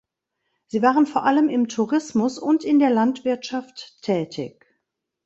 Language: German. Sie waren vor allem im Tourismus und in der Landwirtschaft tätig.